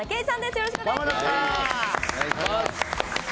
よろしくお願いします！